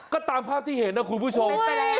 ก็ตามภาพที่เห็นนะคุณผู้ชม